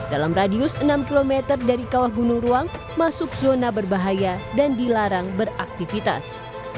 dalam radius enam km dari kawah gunung ruang masuk zona berbahaya dan dilarang beraktivitas